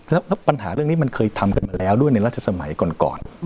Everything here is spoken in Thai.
แล้วปัญหาเรื่องนี้มันเคยทำกันมาแล้วด้วยในราชสมัยก่อน